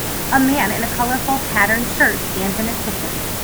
A man in a colorful, patterned shirt stands in his kitchen.